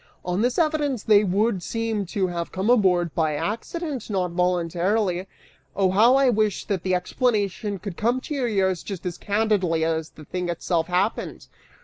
On this evidence, they would seem to have come aboard by accident, not voluntarily. Oh how I wish that the explanation could come to your ears just as candidly as the thing itself happened!